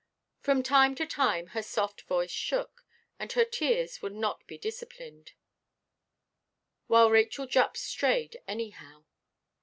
From time to time her soft voice shook, and her tears would not be disciplined; while Rachel Juppʼs strayed anyhow.